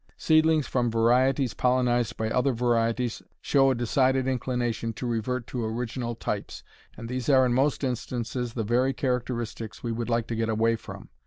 Seedlings from varieties pollenized by other varieties show a decided inclination to revert to original types, and these are in most instances the very characteristics we would like to get away from.